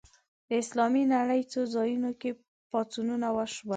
د اسلامي نړۍ څو ځایونو کې پاڅونونه وشول